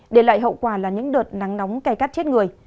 để lại hậu quả là những đợt nắng nóng cay cắt chết người